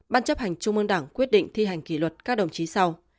ban chấp hành trung ương đảng quyết định thi hành kỷ luật các đồng chí sau